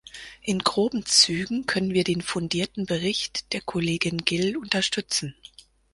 In groben Zügen können wir den fundierten Bericht der Kollegin Gill unterstützen.